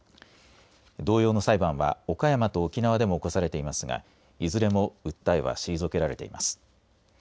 同様の裁判は岡山と沖縄でも起こされていますがいずれも訴えは退けられています。